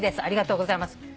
ありがとうございます。